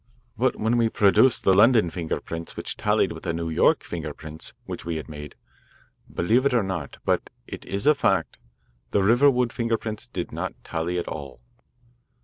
But when we produced the London finger prints which tallied with the New York finger prints which we had made believe it or not, but it is a fact, the Riverwood finger prints did not tally at all."